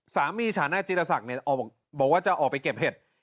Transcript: สามีฉันจิรศักดิ์บอกว่าจะออกไปเก็บเห็ด